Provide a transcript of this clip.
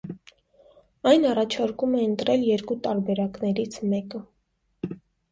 Այն առաջարկում է ընտրել երկու տարբերակներից մեկը։